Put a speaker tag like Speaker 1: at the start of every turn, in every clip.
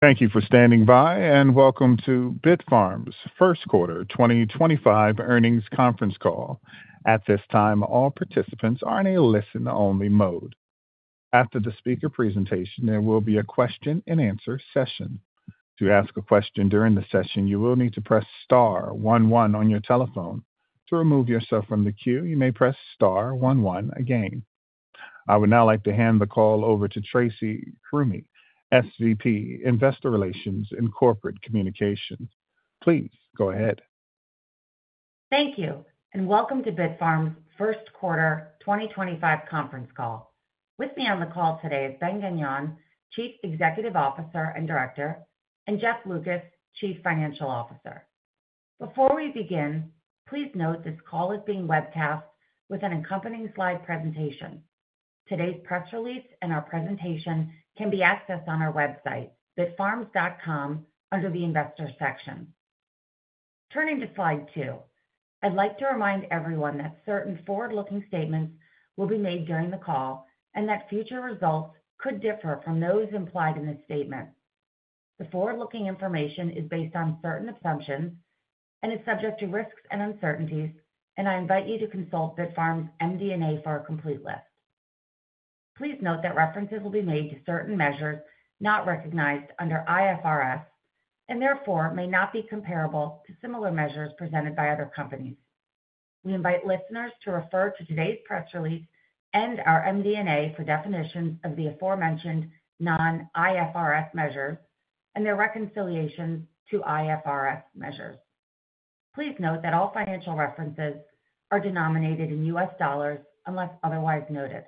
Speaker 1: Thank you for standing by, and welcome to Bitfarms first quarter 2025 earnings conference call. At this time, all participants are in a listen-only mode. After the speaker presentation, there will be a question-and-answer session. To ask a question during the session, you will need to press star one one on your telephone. To remove yourself from the queue, you may press star one one again. I would now like to hand the call over to Tracy Krumme, SVP, Investor Relations and Corporate Communications. Please go ahead.
Speaker 2: Thank you, and welcome to Bitfarms first quarter 2025 conference call. With me on the call today is Ben Gagnon, Chief Executive Officer and Director, and Jeff Lucas, Chief Financial Officer. Before we begin, please note this call is being webcast with an accompanying slide presentation. Today's press release and our presentation can be accessed on our website, bitfarms.com, under the Investor section. Turning to slide two, I'd like to remind everyone that certain forward-looking statements will be made during the call and that future results could differ from those implied in the statements. The forward-looking information is based on certain assumptions and is subject to risks and uncertainties, and I invite you to consult Bitfarms' MD&A for a complete list. Please note that references will be made to certain measures not recognized under IFRS and therefore may not be comparable to similar measures presented by other companies. We invite listeners to refer to today's press release and our MD&A for definitions of the aforementioned non-IFRS measures and their reconciliations to IFRS measures. Please note that all financial references are denominated in U.S. dollars unless otherwise noted.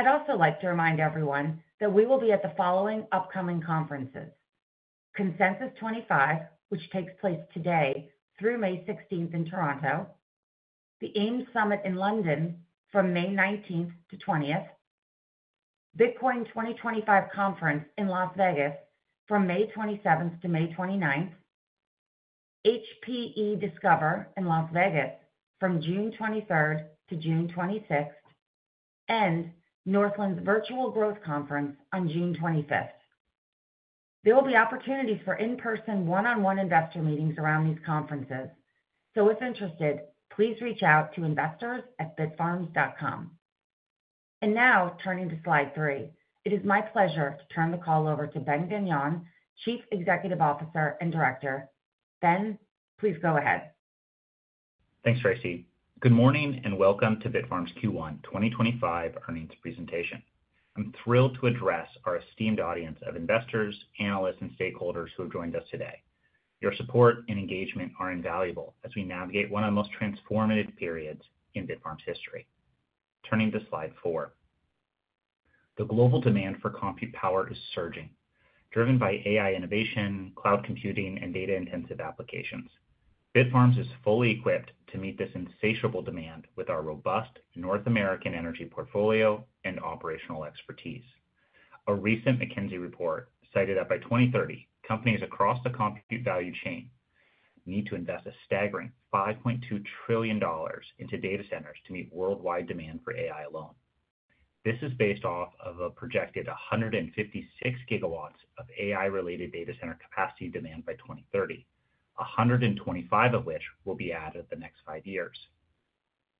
Speaker 2: I would also like to remind everyone that we will be at the following upcoming conferences: Consensus 25, which takes place today through May 16th in Toronto; the AIM Summit in London from May 19th to 20th; Bitcoin 2025 Conference in Las Vegas from May 27th to May 29th; HPE Discover in Las Vegas from June 23rd to June 26th and Northland's Virtual Growth Conference on June 25th. There will be opportunities for in-person one-on-one investor meetings around these conferences, so if interested, please reach out to investors@bitfarms.com. Now, turning to slide three, it is my pleasure to turn the call over to Ben Gagnon, Chief Executive Officer and Director. Ben, please go ahead.
Speaker 3: Thanks, Tracy. Good morning and welcome to Bitfarms Q1 2025 earnings presentation. I'm thrilled to address our esteemed audience of investors, analysts, and stakeholders who have joined us today. Your support and engagement are invaluable as we navigate one of the most transformative periods in Bitfarms history. Turning to slide four, the global demand for compute power is surging, driven by AI innovation, cloud computing, and data-intensive applications. Bitfarms is fully equipped to meet this insatiable demand with our robust North American energy portfolio and operational expertise. A recent McKinsey report cited that by 2030, companies across the compute value chain need to invest a staggering $5.2 trillion into data centers to meet worldwide demand for AI alone. This is based off of a projected 156 GW of AI-related data center capacity demand by 2030, 125 of which will be added in the next five years.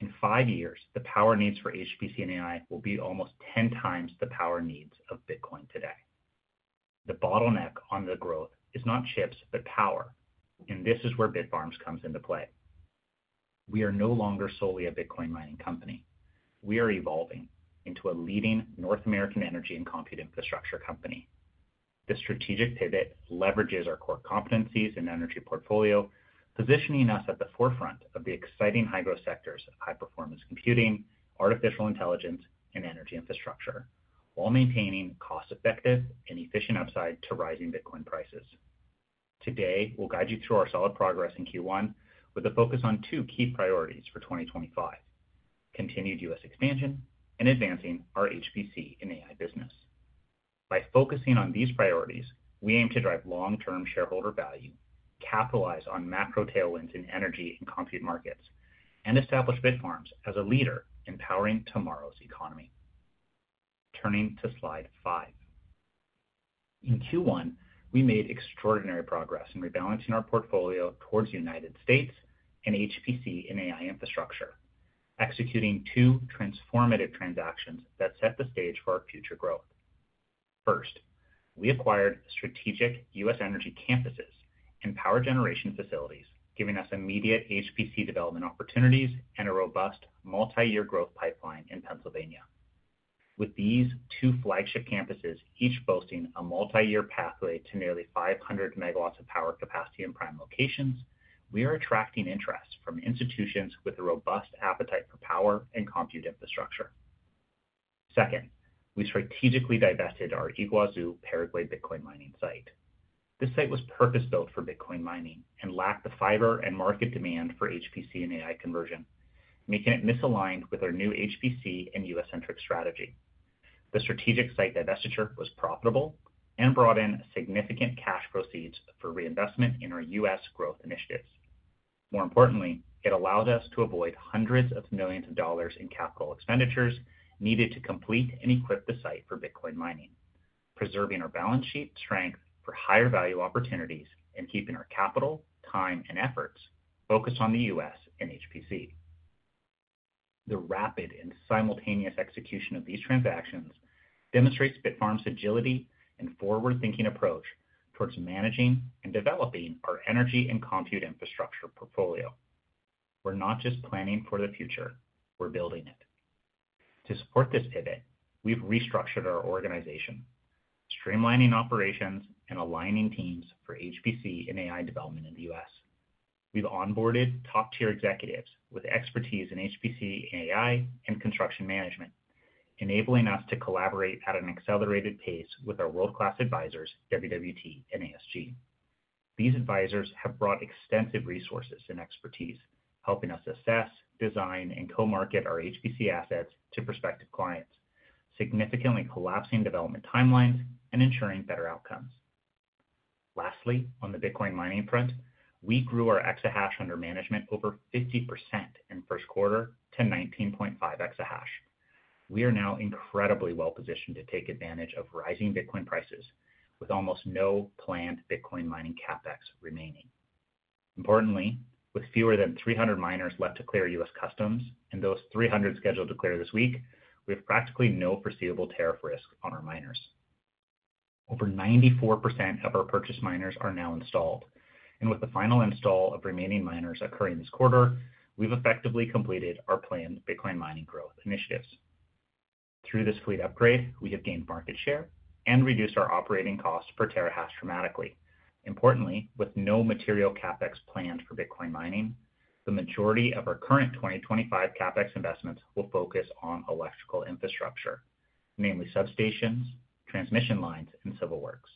Speaker 3: In five years, the power needs for HPC and AI will be almost 10x the power needs of Bitcoin today. The bottleneck on the growth is not chips, but power, and this is where Bitfarms comes into play. We are no longer solely a Bitcoin mining company. We are evolving into a leading North American energy and compute infrastructure company. This strategic pivot leverages our core competencies and energy portfolio, positioning us at the forefront of the exciting high-growth sectors of high-performance computing, artificial intelligence, and energy infrastructure, while maintaining cost-effective and efficient upside to rising Bitcoin prices. Today, we'll guide you through our solid progress in Q1 with a focus on two key priorities for 2025: continued U.S. expansion and advancing our HPC and AI business. By focusing on these priorities, we aim to drive long-term shareholder value, capitalize on macro tailwinds in energy and compute markets, and establish Bitfarms as a leader in powering tomorrow's economy. Turning to slide five, in Q1, we made extraordinary progress in rebalancing our portfolio towards the United States and HPC and AI infrastructure, executing two transformative transactions that set the stage for our future growth. First, we acquired strategic U.S. energy campuses and power generation facilities, giving us immediate HPC development opportunities and a robust multi-year growth pipeline in Pennsylvania. With these two flagship campuses, each boasting a multi-year pathway to nearly 500 MW of power capacity in prime locations, we are attracting interest from institutions with a robust appetite for power and compute infrastructure. Second, we strategically divested our Yguazú, Paraguay Bitcoin mining site. This site was purpose-built for Bitcoin mining and lacked the fiber and market demand for HPC and AI conversion, making it misaligned with our new HPC and U.S.-centric strategy. The strategic site divestiture was profitable and brought in significant cash proceeds for reinvestment in our U.S. growth initiatives. More importantly, it allowed us to avoid hundreds of millions of dollars in capital expenditures needed to complete and equip the site for Bitcoin mining, preserving our balance sheet strength for higher value opportunities and keeping our capital, time, and efforts focused on the U.S. and HPC. The rapid and simultaneous execution of these transactions demonstrates Bitfarms' agility and forward-thinking approach towards managing and developing our energy and compute infrastructure portfolio. We're not just planning for the future; we're building it. To support this pivot, we've restructured our organization, streamlining operations and aligning teams for HPC and AI development in the U.S. We have onboarded top-tier executives with expertise in HPC, AI, and construction management, enabling us to collaborate at an accelerated pace with our world-class advisors, WWT and ASG. These advisors have brought extensive resources and expertise, helping us assess, design, and co-market our HPC assets to prospective clients, significantly collapsing development timelines and ensuring better outcomes. Lastly, on the Bitcoin mining front, we grew our exahash under management over 50% in the first quarter to 19.5 EH. We are now incredibly well-positioned to take advantage of rising Bitcoin prices with almost no planned Bitcoin mining CapEx remaining. Importantly, with fewer than 300 miners left to clear U.S. customs and those 300 scheduled to clear this week, we have practically no foreseeable tariff risk on our miners. Over 94% of our purchased miners are now installed, and with the final install of remaining miners occurring this quarter, we've effectively completed our planned Bitcoin mining growth initiatives. Through this fleet upgrade, we have gained market share and reduced our operating cost per terahash dramatically. Importantly, with no material CapEx planned for Bitcoin mining, the majority of our current 2025 CapEx investments will focus on electrical infrastructure, namely substations, transmission lines, and civil works.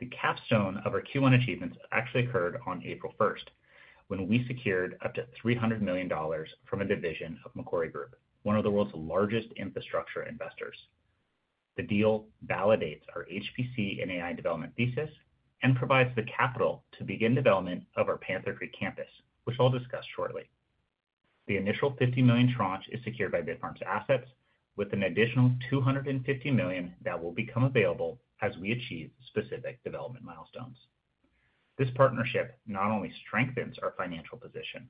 Speaker 3: The capstone of our Q1 achievements actually occurred on April 1st when we secured up to $300 million from a division of Macquarie Group, one of the world's largest infrastructure investors. The deal validates our HPC and AI development thesis and provides the capital to begin development of our Panther Creek campus, which I'll discuss shortly. The initial $50 million tranche is secured by Bitfarms assets, with an additional $250 million that will become available as we achieve specific development milestones. This partnership not only strengthens our financial position,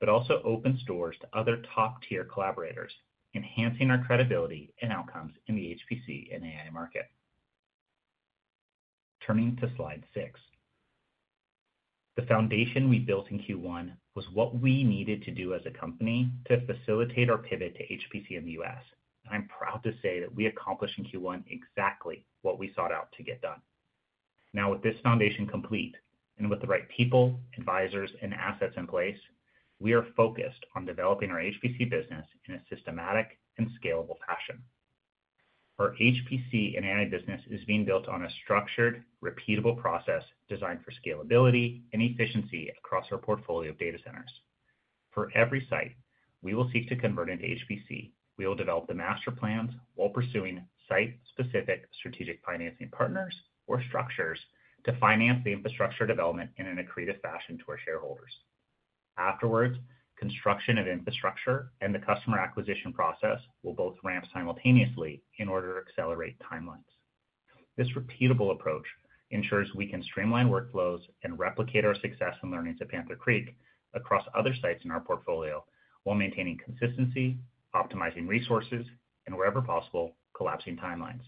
Speaker 3: but also opens doors to other top-tier collaborators, enhancing our credibility and outcomes in the HPC and AI market. Turning to slide six, the foundation we built in Q1 was what we needed to do as a company to facilitate our pivot to HPC in the U.S. I am proud to say that we accomplished in Q1 exactly what we sought out to get done. Now, with this foundation complete and with the right people, advisors, and assets in place, we are focused on developing our HPC business in a systematic and scalable fashion. Our HPC and AI business is being built on a structured, repeatable process designed for scalability and efficiency across our portfolio of data centers. For every site we will seek to convert into HPC, we will develop the master plans while pursuing site-specific strategic financing partners or structures to finance the infrastructure development in an accretive fashion to our shareholders. Afterwards, construction of infrastructure and the customer acquisition process will both ramp simultaneously in order to accelerate timelines. This repeatable approach ensures we can streamline workflows and replicate our success and learnings at Panther Creek across other sites in our portfolio while maintaining consistency, optimizing resources, and, wherever possible, collapsing timelines.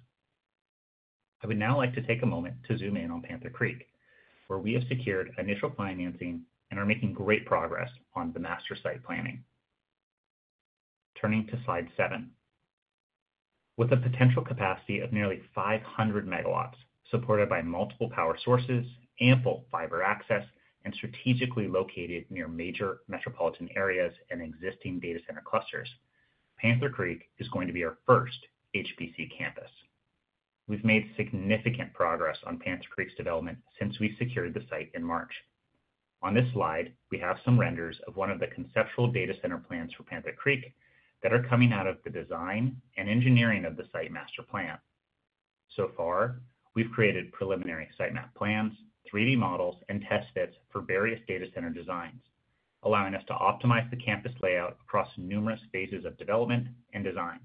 Speaker 3: I would now like to take a moment to zoom in on Panther Creek, where we have secured initial financing and are making great progress on the master site planning. Turning to slide seven, with a potential capacity of nearly 500 MW supported by multiple power sources, ample fiber access, and strategically located near major metropolitan areas and existing data center clusters, Panther Creek is going to be our first HPC campus. We've made significant progress on Panther Creek's development since we secured the site in March. On this slide, we have some renders of one of the conceptual data center plans for Panther Creek that are coming out of the design and engineering of the site master plan. So far, we've created preliminary site map plans, 3D models, and test fits for various data center designs, allowing us to optimize the campus layout across numerous phases of development and designs.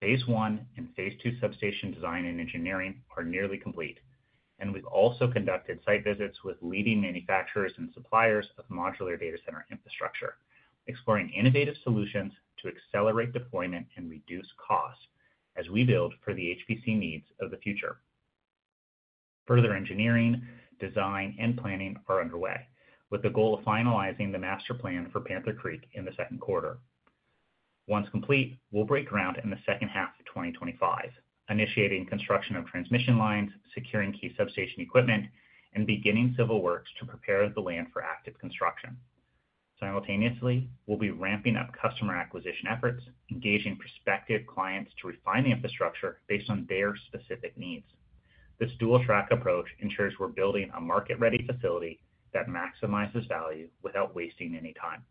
Speaker 3: Phase one and phase two substation design and engineering are nearly complete, and we've also conducted site visits with leading manufacturers and suppliers of modular data center infrastructure, exploring innovative solutions to accelerate deployment and reduce costs as we build for the HPC needs of the future. Further engineering, design, and planning are underway, with the goal of finalizing the master plan for Panther Creek in the second quarter. Once complete, we'll break ground in the second half of 2025, initiating construction of transmission lines, securing key substation equipment, and beginning civil works to prepare the land for active construction. Simultaneously, we'll be ramping up customer acquisition efforts, engaging prospective clients to refine the infrastructure based on their specific needs. This dual-track approach ensures we're building a market-ready facility that maximizes value without wasting any time.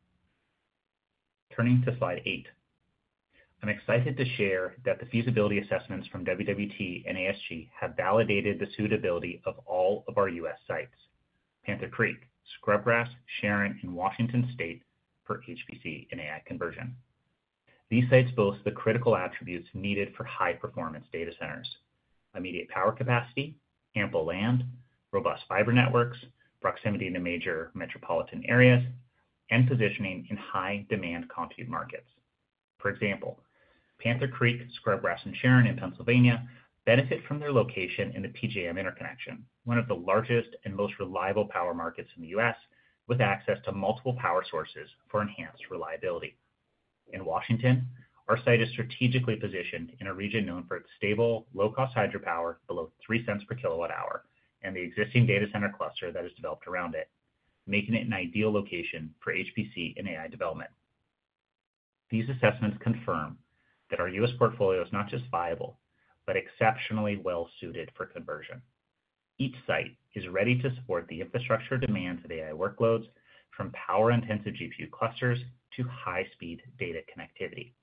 Speaker 3: Turning to slide eight, I'm excited to share that the feasibility assessments from WWT and ASG have validated the suitability of all of our U.S. sites, Panther Creek, Scrubgrass, Sharon, and Washington State for HPC and AI conversion. These sites boast the critical attributes needed for high-performance data centers: immediate power capacity, ample land, robust fiber networks, proximity to major metropolitan areas, and positioning in high-demand compute markets. For example, Panther Creek, Scrubgrass, and Sharon in Pennsylvania benefit from their location in the PJM Interconnection, one of the largest and most reliable power markets in the U.S., with access to multiple power sources for enhanced reliability. In Washington, our site is strategically positioned in a region known for its stable, low-cost hydropower below $0.03 per kilowatt-hour and the existing data center cluster that is developed around it, making it an ideal location for HPC and AI development. These assessments confirm that our U.S. portfolio is not just viable, but exceptionally well-suited for conversion. Each site is ready to support the infrastructure demands of AI workloads, from power-intensive GPU clusters to high-speed data connectivity.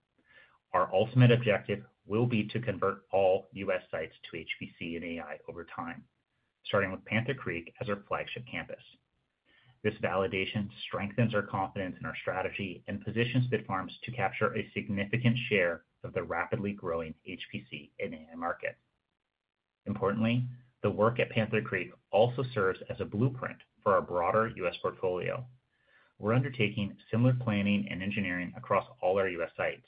Speaker 3: Our ultimate objective will be to convert all U.S. sites to HPC and AI over time, starting with Panther Creek as our flagship campus. This validation strengthens our confidence in our strategy and positions Bitfarms to capture a significant share of the rapidly growing HPC and AI market. Importantly, the work at Panther Creek also serves as a blueprint for our broader U.S. portfolio. We are undertaking similar planning and engineering across all our U.S. sites,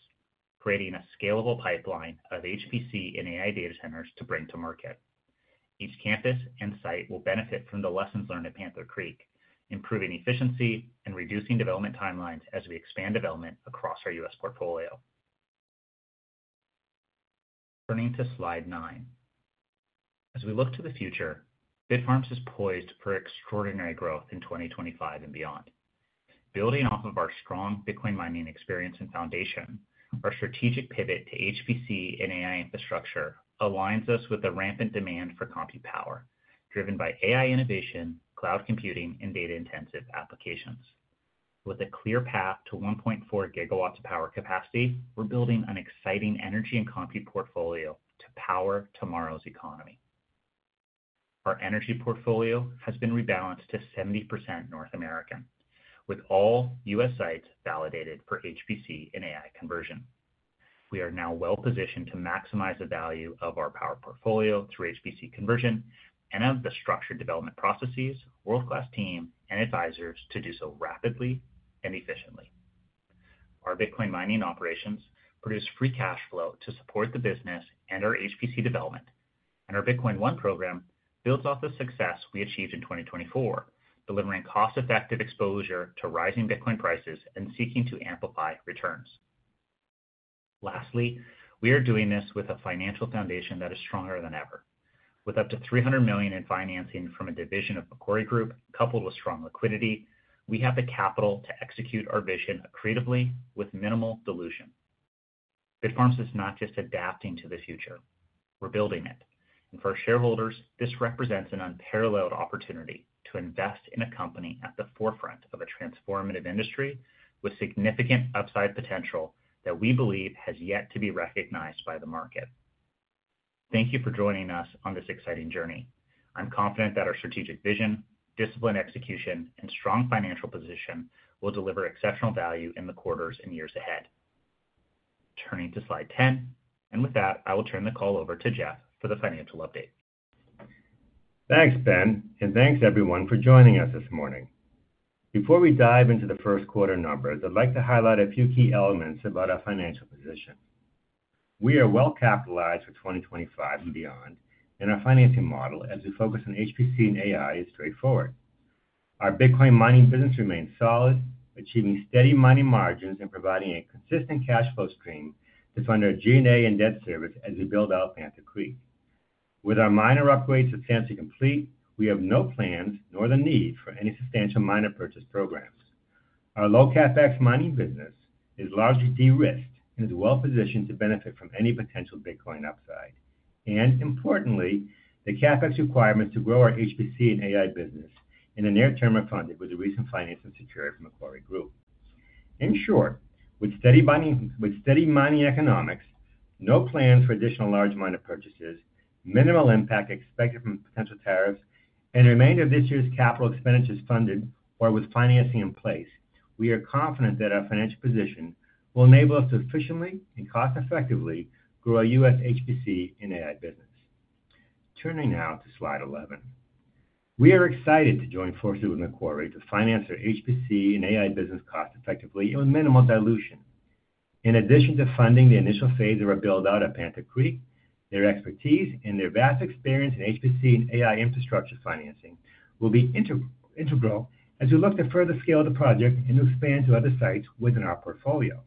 Speaker 3: creating a scalable pipeline of HPC and AI data centers to bring to market. Each campus and site will benefit from the lessons learned at Panther Creek, improving efficiency and reducing development timelines as we expand development across our U.S. portfolio. Turning to slide nine, as we look to the future, Bitfarms is poised for extraordinary growth in 2025 and beyond. Building off of our strong Bitcoin mining experience and foundation, our strategic pivot to HPC and AI infrastructure aligns us with the rampant demand for compute power driven by AI innovation, cloud computing, and data-intensive applications. With a clear path to 1.4 GW of power capacity, we're building an exciting energy and compute portfolio to power tomorrow's economy. Our energy portfolio has been rebalanced to 70% North American, with all U.S. sites validated for HPC and AI conversion. We are now well-positioned to maximize the value of our power portfolio through HPC conversion and have the structured development processes, world-class team, and advisors to do so rapidly and efficiently. Our Bitcoin mining operations produce free cash flow to support the business and our HPC development, and our Bitcoin One program builds off the success we achieved in 2024, delivering cost-effective exposure to rising Bitcoin prices and seeking to amplify returns. Lastly, we are doing this with a financial foundation that is stronger than ever. With up to $300 million in financing from a division of Macquarie Group, coupled with strong liquidity, we have the capital to execute our vision accretively with minimal dilution. Bitfarms is not just adapting to the future; we're building it. For our shareholders, this represents an unparalleled opportunity to invest in a company at the forefront of a transformative industry with significant upside potential that we believe has yet to be recognized by the market. Thank you for joining us on this exciting journey. I'm confident that our strategic vision, disciplined execution, and strong financial position will deliver exceptional value in the quarters and years ahead. Turning to slide 10, and with that, I will turn the call over to Jeff for the financial update.
Speaker 4: Thanks, Ben, and thanks everyone for joining us this morning. Before we dive into the first quarter numbers, I'd like to highlight a few key elements about our financial position. We are well-capitalized for 2025 and beyond, and our financing model as we focus on HPC and AI is straightforward. Our Bitcoin mining business remains solid, achieving steady mining margins and providing a consistent cash flow stream to fund our G&A and debt service as we build out Panther Creek. With our minor upgrades substantially complete, we have no plans nor the need for any substantial miner purchase programs. Our low CapEx mining business is largely de-risked and is well-positioned to benefit from any potential Bitcoin upside. Importantly, the CapEx requirements to grow our HPC and AI business in the near term are funded with the recent financing secured from Macquarie Group. In short, with steady mining economics, no plans for additional large miner purchases, minimal impact expected from potential tariffs, and the remainder of this year's capital expenditures funded or with financing in place, we are confident that our financial position will enable us to efficiently and cost-effectively grow our U.S. HPC and AI business. Turning now to slide 11, we are excited to join forces with Macquarie to finance our HPC and AI business cost-effectively and with minimal dilution. In addition to funding the initial phase of our build-out at Panther Creek, their expertise and their vast experience in HPC and AI infrastructure financing will be integral as we look to further scale the project and expand to other sites within our portfolio.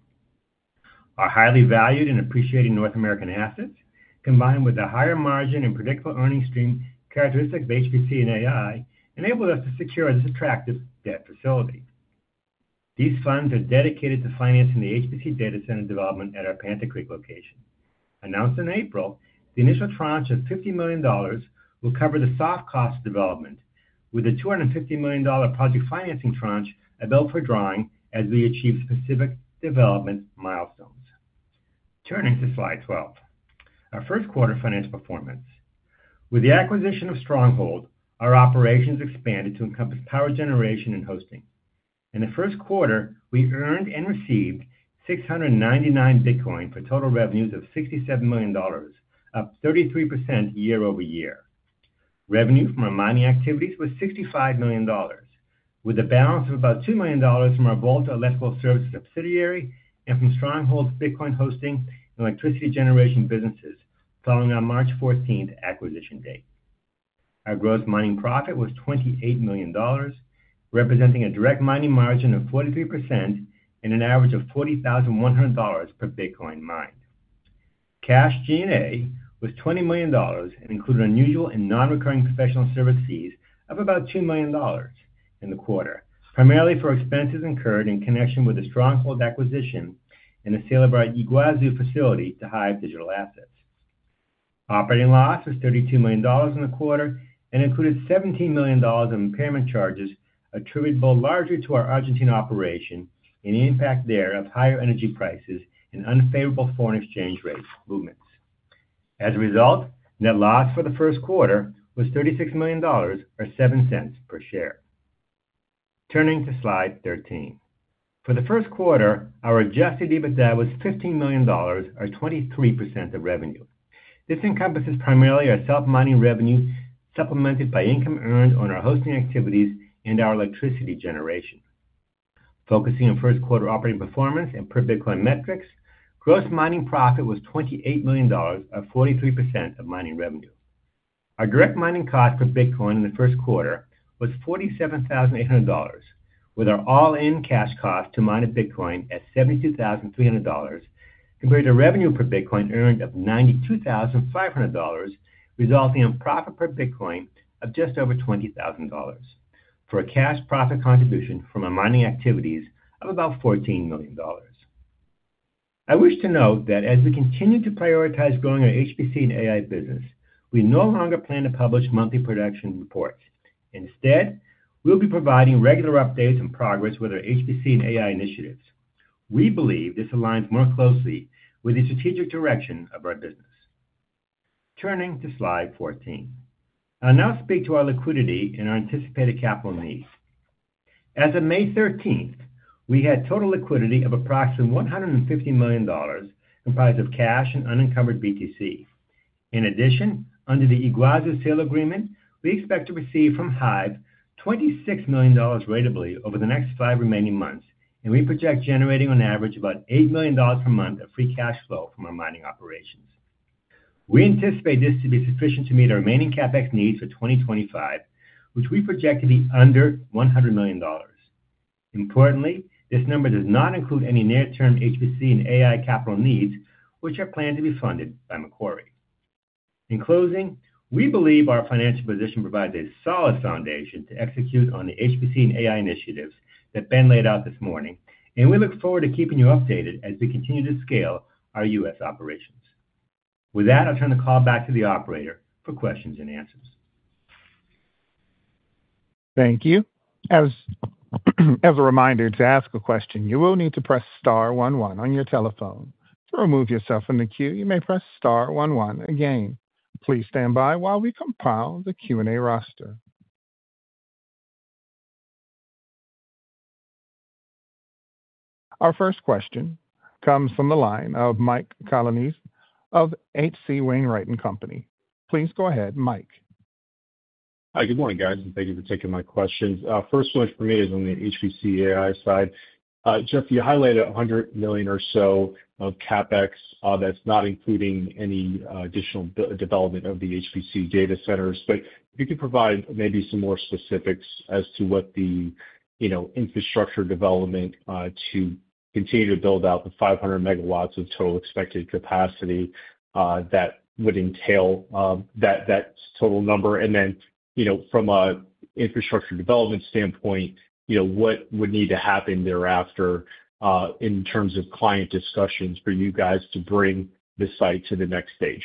Speaker 4: Our highly valued and appreciating North American assets, combined with the higher margin and predictable earnings stream characteristics of HPC and AI, enable us to secure this attractive debt facility. These funds are dedicated to financing the HPC data center development at our Panther Creek location. Announced in April, the initial tranche of $50 million will cover the soft cost of development, with a $250 million project financing tranche available for drawing as we achieve specific development milestones. Turning to slide 12, our first quarter financial performance. With the acquisition of Stronghold, our operations expanded to encompass power generation and hosting. In the first quarter, we earned and received 699 Bitcoin for total revenues of $67 million, up 33% year over year. Revenue from our mining activities was $65 million, with a balance of about $2 million from our Volta Electrical Services subsidiary and from Stronghold's Bitcoin hosting and electricity generation businesses, following our March 14th acquisition date. Our gross mining profit was $28 million, representing a direct mining margin of 43% and an average of $40,100 per Bitcoin mined. Cash G&A was $20 million and included unusual and non-recurring professional service fees of about $2 million in the quarter, primarily for expenses incurred in connection with the Stronghold acquisition and the sale of our Yguazú facility to HIVE Digital Assets. Operating loss was $32 million in the quarter and included $17 million of impairment charges attributed both largely to our Argentine operation and the impact there of higher energy prices and unfavorable foreign exchange rate movements. As a result, net loss for the first quarter was $36 million, or $0.07 per share. Turning to slide 13, for the first quarter, our adjusted EBITDA was $15 million, or 23% of revenue. This encompasses primarily our self-mining revenue supplemented by income earned on our hosting activities and our electricity generation. Focusing on first quarter operating performance and per Bitcoin metrics, gross mining profit was $28 million, or 43% of mining revenue. Our direct mining cost per Bitcoin in the first quarter was $47,800, with our all-in cash cost to mine a Bitcoin at $72,300, compared to revenue per Bitcoin earned of $92,500, resulting in profit per Bitcoin of just over $20,000 for a cash profit contribution from our mining activities of about $14 million. I wish to note that as we continue to prioritize growing our HPC and AI business, we no longer plan to publish monthly production reports. Instead, we'll be providing regular updates and progress with our HPC and AI initiatives. We believe this aligns more closely with the strategic direction of our business. Turning to slide 14, I'll now speak to our liquidity and our anticipated capital needs. As of May 13th, we had total liquidity of approximately $150 million comprised of cash and unencumbered BTC. In addition, under the Yguazú sale agreement, we expect to receive from HIVE $26 million ratably over the next five remaining months, and we project generating on average about $8 million per month of free cash flow from our mining operations. We anticipate this to be sufficient to meet our remaining CapEx needs for 2025, which we project to be under $100 million. Importantly, this number does not include any near-term HPC and AI capital needs, which are planned to be funded by Macquarie. In closing, we believe our financial position provides a solid foundation to execute on the HPC and AI initiatives that Ben laid out this morning, and we look forward to keeping you updated as we continue to scale our U.S. operations. With that, I'll turn the call back to the operator for questions and answers.
Speaker 1: Thank you. As a reminder to ask a question, you will need to press star one one on your telephone. To remove yourself from the queue, you may press star one one again. Please stand by while we compile the Q&A roster. Our first question comes from the line of Mike Colonnese of H.C. Wainwright & Company. Please go ahead, Mike.
Speaker 5: Hi, good morning, guys, and thank you for taking my questions. First one for me is on the HPC-AI side. Jeff, you highlighted $100 million or so of CapEx that's not including any additional development of the HPC data centers, but if you could provide maybe some more specifics as to what the infrastructure development to continue to build out the 500 MW of total expected capacity that would entail that total number. From an infrastructure development standpoint, what would need to happen thereafter in terms of client discussions for you guys to bring the site to the next stage?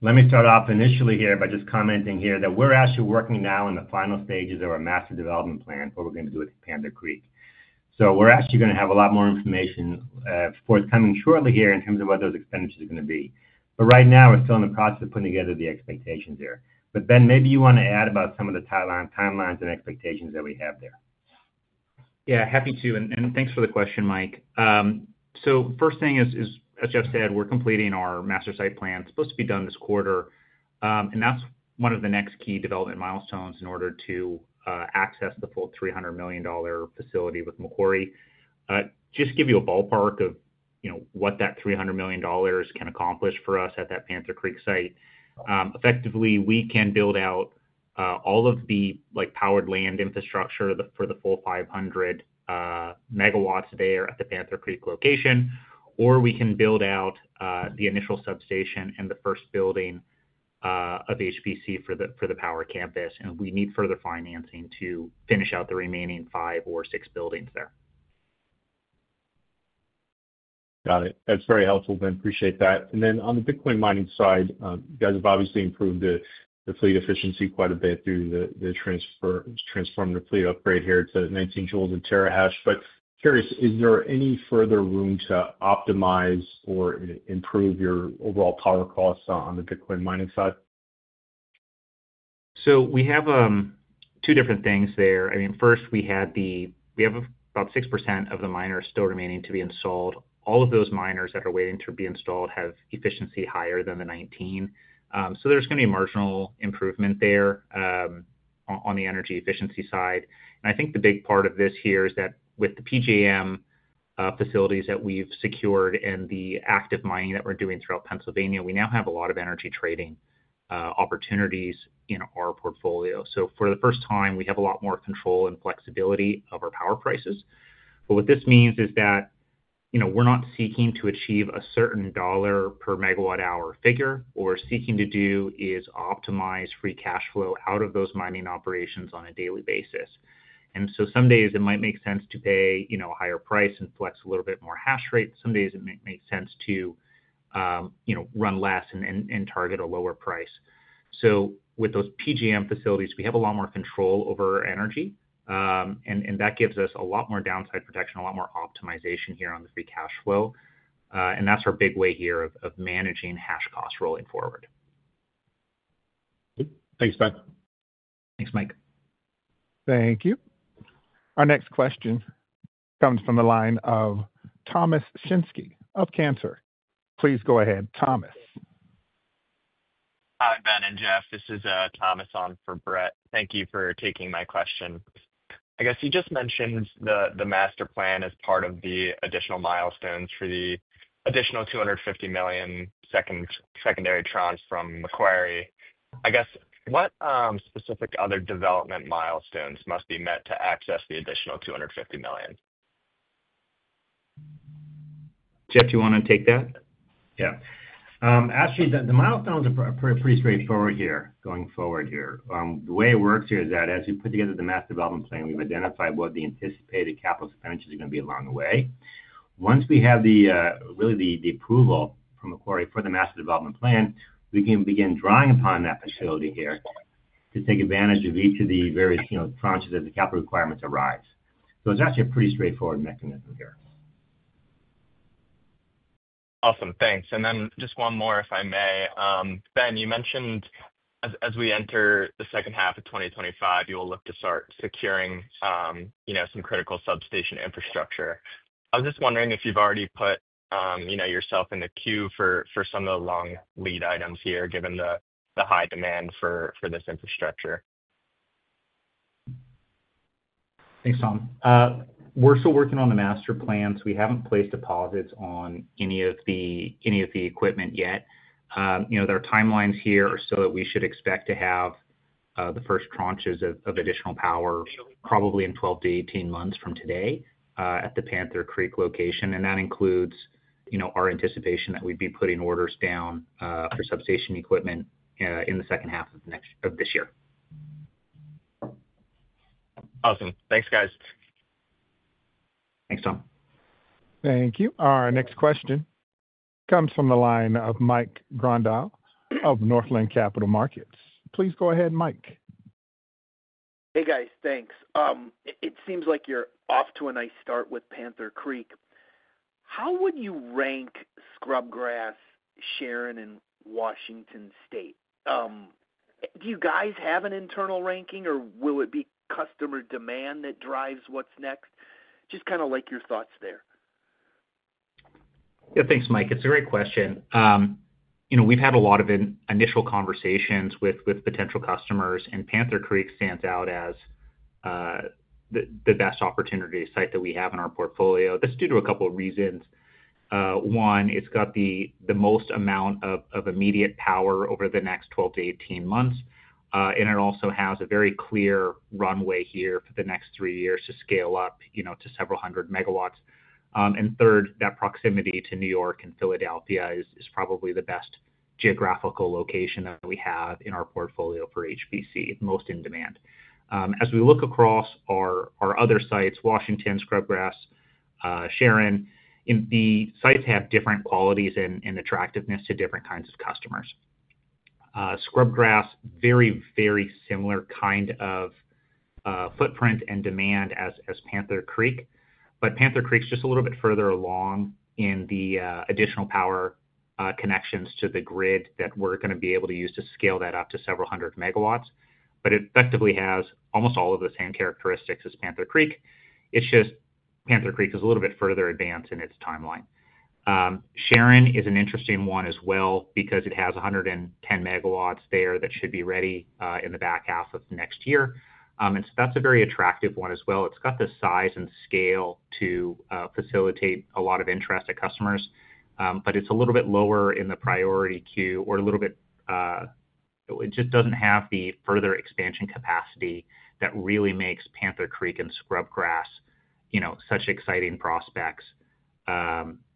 Speaker 4: Let me start off initially here by just commenting here that we're actually working now in the final stages of our master development plan for what we're going to do with Panther Creek. We're actually going to have a lot more information forthcoming shortly here in terms of what those expenditures are going to be. Right now, we're still in the process of putting together the expectations here. Ben, maybe you want to add about some of the timelines and expectations that we have there.
Speaker 3: Yeah, happy to. Thanks for the question, Mike. The first thing is, as Jeff said, we're completing our master site plan. It's supposed to be done this quarter, and that's one of the next key development milestones in order to access the full $300 million facility with Macquarie. Just to give you a ballpark of what that $300 million can accomplish for us at that Panther Creek site, effectively, we can build out all of the powered land infrastructure for the full 500 MW there at the Panther Creek location, or we can build out the initial substation and the first building of HPC for the power campus, and we need further financing to finish out the remaining five or six buildings there.
Speaker 5: Got it. That's very helpful, Ben. Appreciate that. On the Bitcoin mining side, you guys have obviously improved the fleet efficiency quite a bit through the transformative fleet upgrade here to 19 J of terahash. Curious, is there any further room to optimize or improve your overall power costs on the Bitcoin mining side?
Speaker 3: We have two different things there. I mean, first, we have about 6% of the miners still remaining to be installed. All of those miners that are waiting to be installed have efficiency higher than the 19. There is going to be marginal improvement there on the energy efficiency side. I think the big part of this here is that with the PJM facilities that we have secured and the active mining that we are doing throughout Pennsylvania, we now have a lot of energy trading opportunities in our portfolio. For the first time, we have a lot more control and flexibility of our power prices. What this means is that we are not seeking to achieve a certain dollar per megawatt-hour figure. What we're seeking to do is optimize free cash flow out of those mining operations on a daily basis. Some days, it might make sense to pay a higher price and flex a little bit more hash rate. Some days, it might make sense to run less and target a lower price. With those PJM facilities, we have a lot more control over energy, and that gives us a lot more downside protection, a lot more optimization here on the free cash flow. That's our big way here of managing hash costs rolling forward.
Speaker 5: Thanks, Ben.
Speaker 3: Thanks, Mike.
Speaker 1: Thank you. Our next question comes from the line of Thomas Shinske of Cantor. Please go ahead, Thomas.
Speaker 6: Hi, Ben and Jeff. This is Thomas on for Brett. Thank you for taking my question. I guess you just mentioned the master plan as part of the additional milestones for the additional $250 million secondary tranche from Macquarie. I guess what specific other development milestones must be met to access the additional $250 million?
Speaker 3: Jeff, do you want to take that?
Speaker 4: Yeah. Actually, the milestones are pretty straightforward here going forward here. The way it works here is that as we put together the master development plan, we've identified what the anticipated capital expenditure is going to be along the way. Once we have really the approval from Macquarie for the master development plan, we can begin drawing upon that facility here to take advantage of each of the various tranches as the capital requirements arise. It is actually a pretty straightforward mechanism here.
Speaker 6: Awesome. Thanks. And then just one more, if I may. Ben, you mentioned as we enter the second half of 2025, you will look to start securing some critical substation infrastructure. I was just wondering if you've already put yourself in the queue for some of the long lead items here, given the high demand for this infrastructure.
Speaker 3: Thanks, Tom. We're still working on the master plan, so we haven't placed deposits on any of the equipment yet. Our timelines here are so that we should expect to have the first tranches of additional power probably in 12-18 months from today at the Panther Creek location. That includes our anticipation that we'd be putting orders down for substation equipment in the second half of this year.
Speaker 6: Awesome. Thanks, guys.
Speaker 3: Thanks, Tom.
Speaker 1: Thank you. Our next question comes from the line of Mike Grondahl of Northland Capital Markets. Please go ahead, Mike.
Speaker 7: Hey, guys. Thanks. It seems like you're off to a nice start with Panther Creek. How would you rank Scrubgrass, Sharon, and Washington State? Do you guys have an internal ranking, or will it be customer demand that drives what's next? Just kind of like your thoughts there.
Speaker 3: Yeah, thanks, Mike. It's a great question. We've had a lot of initial conversations with potential customers, and Panther Creek stands out as the best opportunity site that we have in our portfolio. That's due to a couple of reasons. One, it's got the most amount of immediate power over the next 12-18 months, and it also has a very clear runway here for the next three years to scale up to several hundred megawatts. Third, that proximity to New York and Philadelphia is probably the best geographical location that we have in our portfolio for HPC, most in demand. As we look across our other sites, Washington, Scrubgrass, Sharon, the sites have different qualities and attractiveness to different kinds of customers. Scrubgrass, very, very similar kind of footprint and demand as Panther Creek, but Panther Creek's just a little bit further along in the additional power connections to the grid that we're going to be able to use to scale that up to several hundred megawatts, but it effectively has almost all of the same characteristics as Panther Creek. It's just Panther Creek is a little bit further advanced in its timeline. Sharon is an interesting one as well because it has 110 MW there that should be ready in the back half of next year. And so that's a very attractive one as well. It's got the size and scale to facilitate a lot of interest to customers, but it's a little bit lower in the priority queue or a little bit it just doesn't have the further expansion capacity that really makes Panther Creek and Scrubgrass such exciting prospects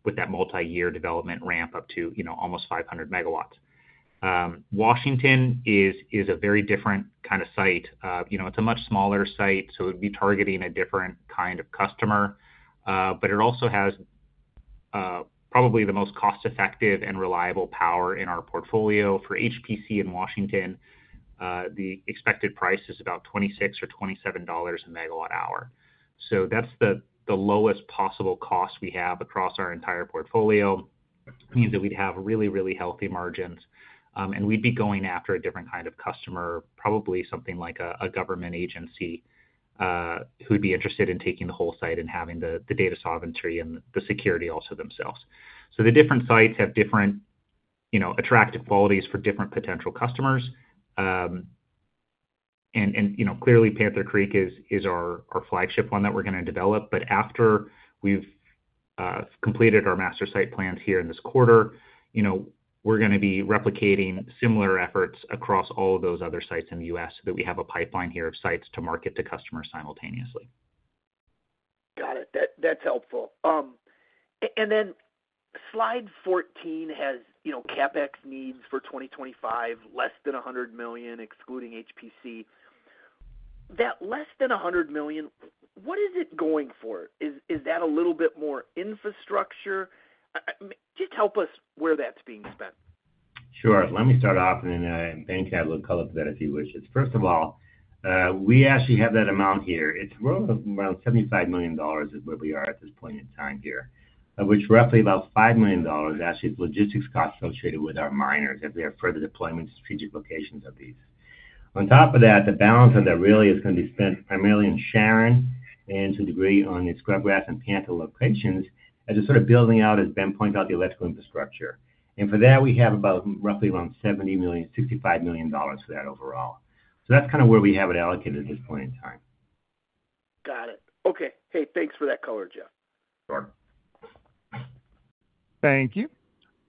Speaker 3: with that multi-year development ramp up to almost 500 MW. Washington is a very different kind of site. It's a much smaller site, so it would be targeting a different kind of customer, but it also has probably the most cost-effective and reliable power in our portfolio. For HPC in Washington, the expected price is about $26 or $27 a megawatt-hour. That's the lowest possible cost we have across our entire portfolio. It means that we'd have really, really healthy margins, and we'd be going after a different kind of customer, probably something like a government agency who'd be interested in taking the whole site and having the data sovereignty and the security also themselves. The different sites have different attractive qualities for different potential customers. Clearly, Panther Creek is our flagship one that we're going to develop. After we've completed our master site plans here in this quarter, we're going to be replicating similar efforts across all of those other sites in the U.S. so that we have a pipeline here of sites to market to customers simultaneously.
Speaker 7: Got it. That's helpful. Then slide 14 has CapEx needs for 2025, less than $100 million, excluding HPC. That less than $100 million, what is it going for? Is that a little bit more infrastructure? Just help us where that's being spent.
Speaker 4: Sure. Let me start off, and Ben can have a little color to that if he wishes. First of all, we actually have that amount here. It's around $75 million is where we are at this point in time here, which roughly about $5 million actually is logistics costs associated with our miners as they have further deployment strategic locations of these. On top of that, the balance of that really is going to be spent primarily in Sharon and to a degree on the Scrubgrass and Panther locations as we're sort of building out, as Ben pointed out, the electrical infrastructure. And for that, we have about roughly around $65 million for that overall. So that's kind of where we have it allocated at this point in time.
Speaker 7: Got it. Okay. Hey, thanks for that color, Jeff.
Speaker 4: Sure.
Speaker 1: Thank you.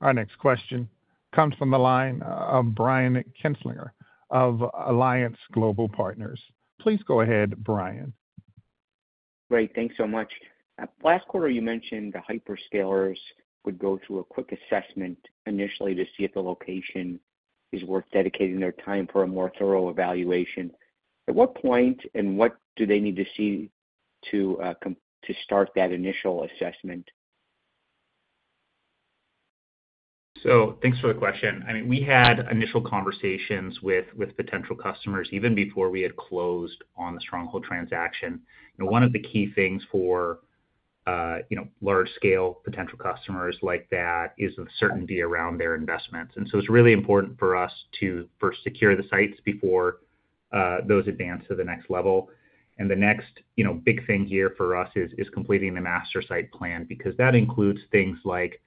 Speaker 1: Our next question comes from the line of Brian Kinstlinger of Alliance Global Partners. Please go ahead, Brian.
Speaker 8: Great. Thanks so much. Last quarter, you mentioned the hyperscalers would go through a quick assessment initially to see if the location is worth dedicating their time for a more thorough evaluation. At what point and what do they need to see to start that initial assessment?
Speaker 3: Thanks for the question. I mean, we had initial conversations with potential customers even before we had closed on the Stronghold transaction. One of the key things for large-scale potential customers like that is the certainty around their investments. It is really important for us to first secure the sites before those advance to the next level. The next big thing here for us is completing the master site plan because that includes things like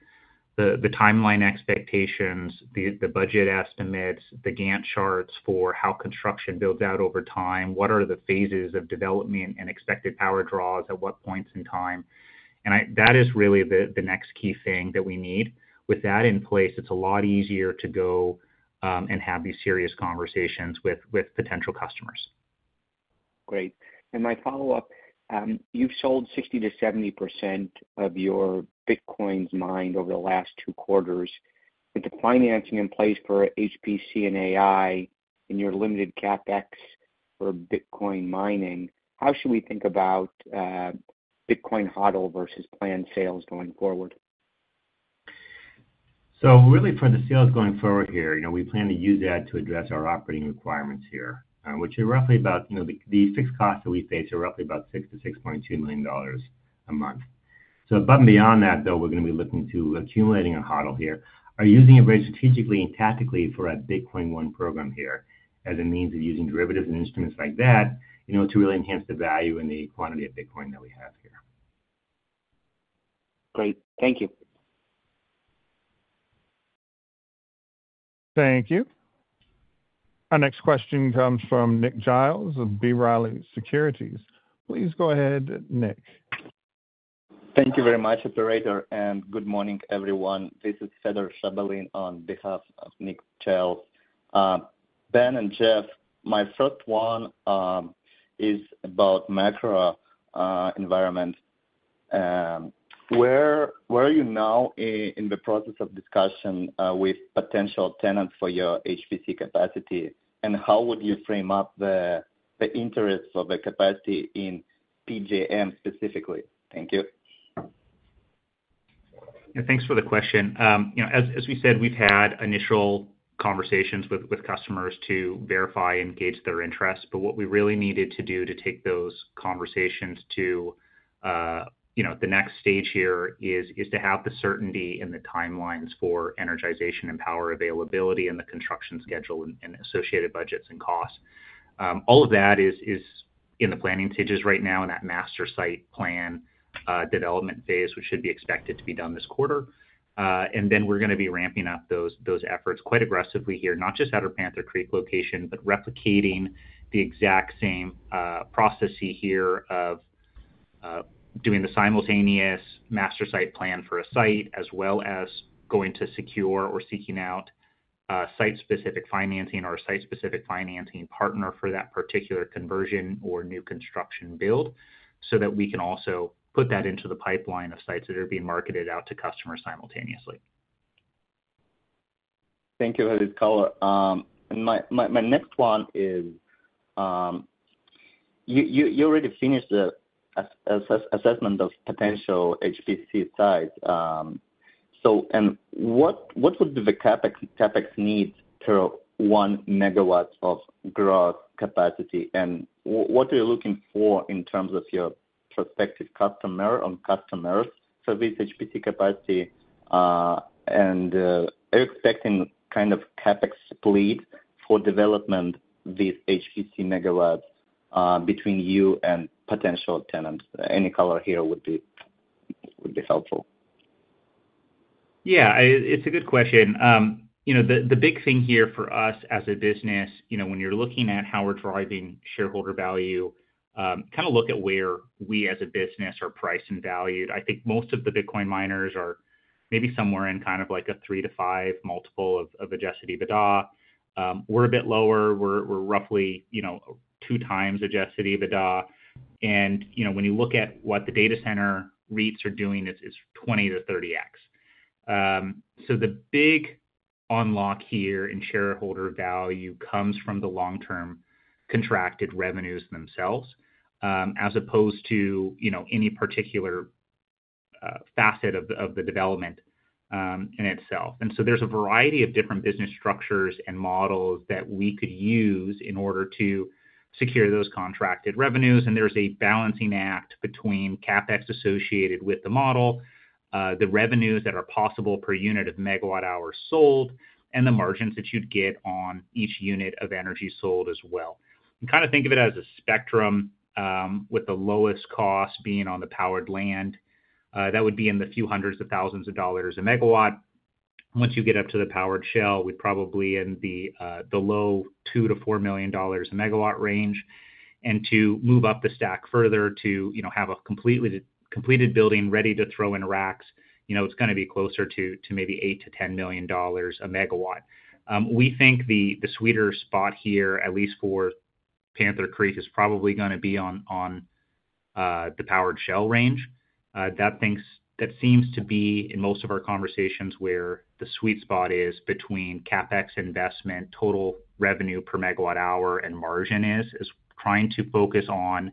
Speaker 3: the timeline expectations, the budget estimates, the Gantt charts for how construction builds out over time, what are the phases of development and expected power draws at what points in time. That is really the next key thing that we need. With that in place, it's a lot easier to go and have these serious conversations with potential customers.
Speaker 8: Great. My follow-up, you've sold 60%-70% of your Bitcoin mined over the last two quarters. With the financing in place for HPC and AI and your limited CapEx for Bitcoin mining, how should we think about Bitcoin HODL versus planned sales going forward?
Speaker 4: So really for the sales going forward here, we plan to use that to address our operating requirements here, which are roughly about the fixed costs that we face are roughly about $6 million-$6.2 million a month. Above and beyond that, though, we're going to be looking to accumulating a HODL here, or using it very strategically and tactically for a Bitcoin One program here as a means of using derivatives and instruments like that to really enhance the value and the quantity of Bitcoin that we have here.
Speaker 8: Great. Thank you.
Speaker 1: Thank you. Our next question comes from Nick Giles of B. Riley Securities. Please go ahead, Nick.
Speaker 9: Thank you very much, Operator, and good morning, everyone. This is Fedor Shabalin on behalf of Nick Giles. Ben and Jeff, my first one is about macro environment. Where are you now in the process of discussion with potential tenants for your HPC capacity, and how would you frame up the interests of the capacity in PJM specifically? Thank you.
Speaker 3: Thanks for the question. As we said, we've had initial conversations with customers to verify and gauge their interests, but what we really needed to do to take those conversations to the next stage here is to have the certainty in the timelines for energization and power availability and the construction schedule and associated budgets and costs. All of that is in the planning stages right now in that master site plan development phase, which should be expected to be done this quarter. We're going to be ramping up those efforts quite aggressively here, not just at our Panther Creek location, but replicating the exact same process here of doing the simultaneous master site plan for a site, as well as going to secure or seeking out site-specific financing or a site-specific financing partner for that particular conversion or new construction build so that we can also put that into the pipeline of sites that are being marketed out to customers simultaneously.
Speaker 9: Thank you for the color. My next one is you already finished the assessment of potential HPC sites. And what would the CapEx need per 1 MW of gross capacity, and what are you looking for in terms of your prospective customer on customers for this HPC capacity? And are you expecting kind of CapEx split for development with HPC megawatts between you and potential tenants? Any color here would be helpful.
Speaker 3: Yeah, it's a good question. The big thing here for us as a business, when you're looking at how we're driving shareholder value, kind of look at where we as a business are priced and valued. I think most of the Bitcoin miners are maybe somewhere in kind of like a three to five multiple of adjusted EBITDA. We're a bit lower. We're roughly 2x adjusted EBITDA. When you look at what the data center REITs are doing, it's 20x-30x. The big unlock here in shareholder value comes from the long-term contracted revenues themselves as opposed to any particular facet of the development in itself. There is a variety of different business structures and models that we could use in order to secure those contracted revenues. There is a balancing act between CapEx associated with the model, the revenues that are possible per unit of megawatt-hours sold, and the margins that you would get on each unit of energy sold as well. Kind of think of it as a spectrum with the lowest cost being on the powered land. That would be in the few hundreds of thousands of dollars a megawatt. Once you get up to the powered shell, we would probably be in the low $2 million-$4 million a megawatt range. To move up the stack further to have a completed building ready to throw in racks, it is going to be closer to maybe $8 million-$10 million a megawatt. We think the sweeter spot here, at least for Panther Creek, is probably going to be on the powered shell range. That seems to be in most of our conversations where the sweet spot is between CapEx investment, total revenue per megawatt hour, and margin is trying to focus on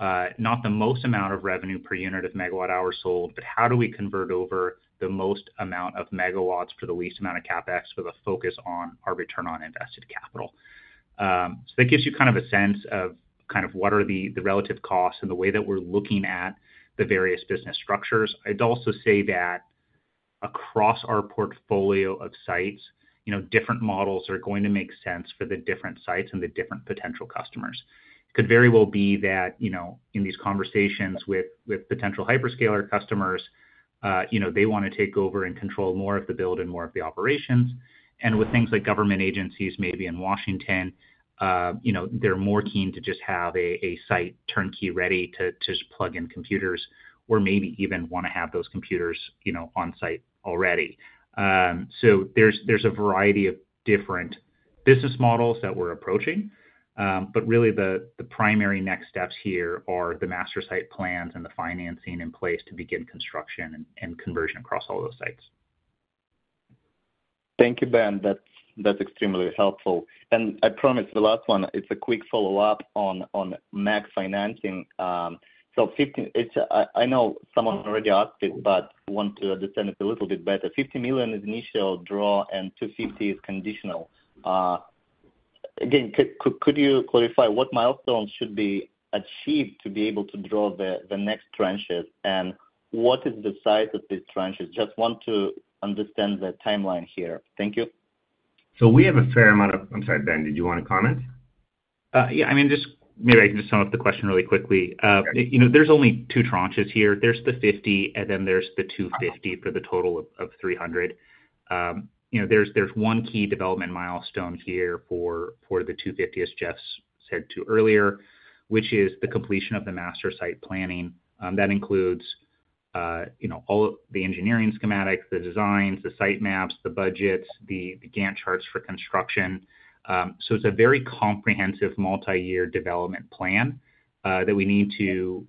Speaker 3: not the most amount of revenue per unit of megawatt hour sold, but how do we convert over the most amount of megawatts for the least amount of CapEx with a focus on our return on invested capital. That gives you kind of a sense of what are the relative costs and the way that we're looking at the various business structures. I'd also say that across our portfolio of sites, different models are going to make sense for the different sites and the different potential customers. It could very well be that in these conversations with potential hyperscaler customers, they want to take over and control more of the build and more of the operations. With things like government agencies, maybe in Washington, they're more keen to just have a site turnkey ready to just plug in computers or maybe even want to have those computers on site already. There's a variety of different business models that we're approaching, but really the primary next steps here are the master site plans and the financing in place to begin construction and conversion across all those sites.
Speaker 9: Thank you, Ben. That's extremely helpful. I promise the last one, it's a quick follow-up on max financing. I know someone already asked it, but want to understand it a little bit better. $50 million is initial draw and $250 million is conditional. Again, could you clarify what milestones should be achieved to be able to draw the next tranches? What is the size of these tranches? Just want to understand the timeline here. Thank you.
Speaker 4: We have a fair amount of, I'm sorry, Ben, did you want to comment?
Speaker 3: Yeah. I mean, maybe I can just sum up the question really quickly. There are only two tranches here. There's the $50 million, and then there's the $250 million for a total of $300 million. There is one key development milestone here for the $250 million, as Jeff said earlier, which is the completion of the master site planning. That includes all the engineering schematics, the designs, the site maps, the budgets, the Gantt charts for construction. It is a very comprehensive multi-year development plan that we need to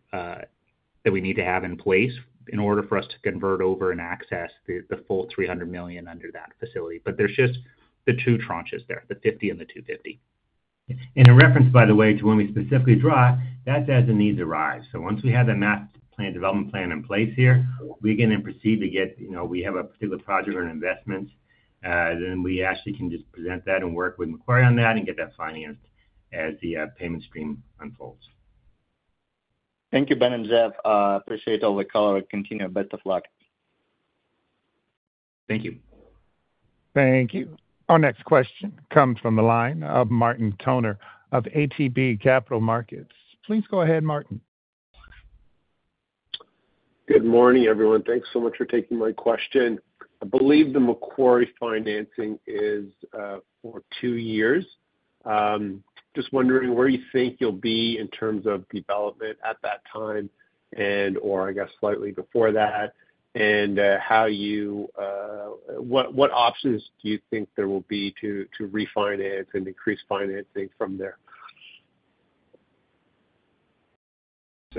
Speaker 3: have in place in order for us to convert over and access the full $300 million under that facility. There are just the two tranches there, the $50 million and the $250 million.
Speaker 4: In reference, by the way, to when we specifically draw, that's as the needs arise. Once we have that master plan, development plan in place here, we can then proceed to get, we have a particular project or an investment, then we actually can just present that and work with Macquarie on that and get that financed as the payment stream unfolds.
Speaker 9: Thank you, Ben and Jeff. Appreciate all the color. Continue your best of luck.
Speaker 3: Thank you.
Speaker 1: Thank you. Our next question comes from the line of Martin Toner of ATB Capital Markets. Please go ahead, Martin.
Speaker 10: Good morning, everyone. Thanks so much for taking my question. I believe the Macquarie financing is for two years. Just wondering where you think you'll be in terms of development at that time and/or, I guess, slightly before that, and what options do you think there will be to refinance and increase financing from there?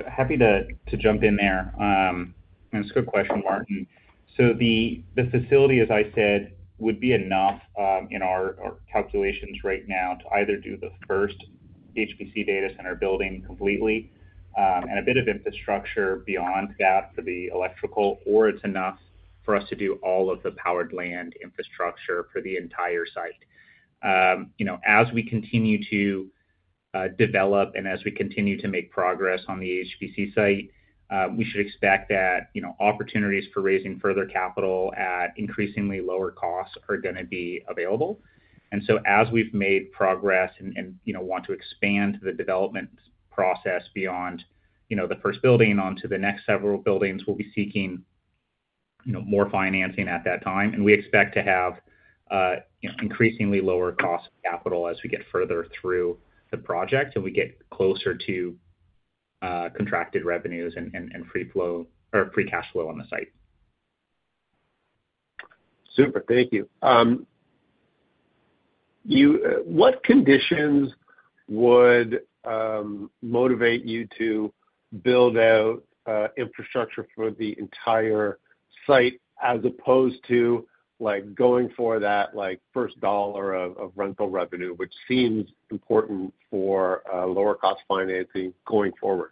Speaker 3: Happy to jump in there. That's a good question, Martin. The facility, as I said, would be enough in our calculations right now to either do the first HPC data center building completely and a bit of infrastructure beyond that for the electrical, or it is enough for us to do all of the powered land infrastructure for the entire site. As we continue to develop and as we continue to make progress on the HPC site, we should expect that opportunities for raising further capital at increasingly lower costs are going to be available. As we have made progress and want to expand the development process beyond the first building onto the next several buildings, we will be seeking more financing at that time. We expect to have increasingly lower costs of capital as we get further through the project and we get closer to contracted revenues and free cash flow on the site.
Speaker 10: Super. Thank you. What conditions would motivate you to build out infrastructure for the entire site as opposed to going for that first dollar of rental revenue, which seems important for lower-cost financing going forward?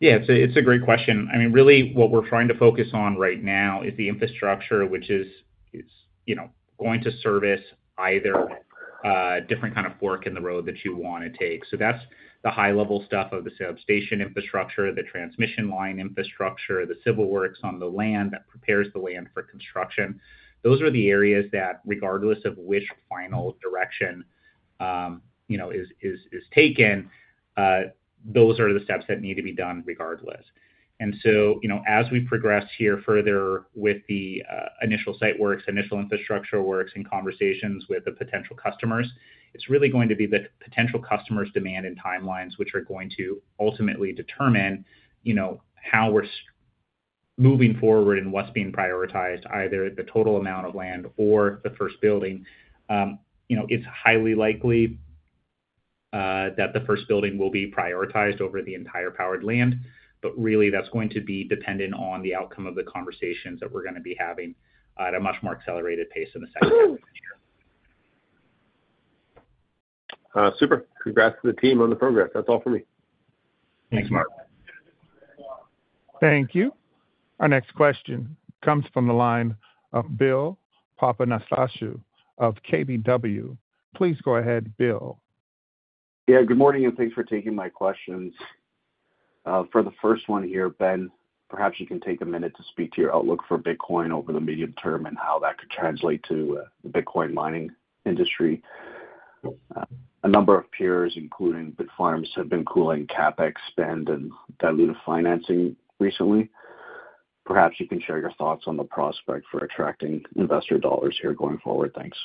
Speaker 3: Yeah, it's a great question. I mean, really, what we're trying to focus on right now is the infrastructure, which is going to service either different kinds of work in the road that you want to take. So that's the high-level stuff of the substation infrastructure, the transmission line infrastructure, the civil works on the land that prepares the land for construction. Those are the areas that, regardless of which final direction is taken, those are the steps that need to be done regardless. As we progress here further with the initial site works, initial infrastructure works, and conversations with the potential customers, it's really going to be the potential customers' demand and timelines, which are going to ultimately determine how we're moving forward and what's being prioritized, either the total amount of land or the first building. It is highly likely that the first building will be prioritized over the entire powered land, but really, that's going to be dependent on the outcome of the conversations that we're going to be having at a much more accelerated pace in the second half of the year.
Speaker 10: Super. Congrats to the team on the progress. That's all for me.
Speaker 3: Thanks, Marc.
Speaker 1: Thank you. Our next question comes from the line of Bill Papanastasiou of KBW. Please go ahead, Bill.
Speaker 11: Yeah, good morning, and thanks for taking my questions. For the first one here, Ben, perhaps you can take a minute to speak to your outlook for Bitcoin over the medium term and how that could translate to the Bitcoin mining industry. A number of peers, including Bitfarms, have been cooling CapEx spend and diluted financing recently. Perhaps you can share your thoughts on the prospect for attracting investor dollars here going forward. Thanks.